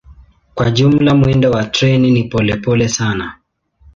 Kwa jumla mwendo wa treni ni polepole sana.